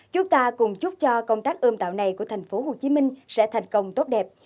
chúng ta cùng chúc cho công tác ươm tạo này của thành phố hồ chí minh sẽ thành công tốt đẹp